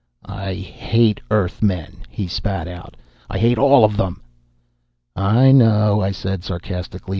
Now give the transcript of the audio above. "I hate Earthmen," he spat out. "I hate all of them." "I know," I said sarcastically.